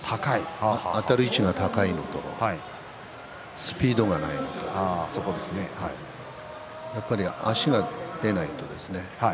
あたる位置が高いのとスピードがないのとやっぱり足が出ないとですね。